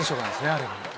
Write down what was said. ある意味。